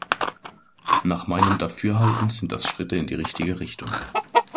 Nach meinem Dafürhalten sind das Schritte in die richtige Richtung.